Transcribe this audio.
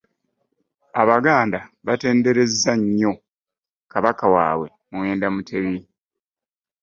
Abaganda batenderezannyo Kabaka waabwe muwenda Mutebi.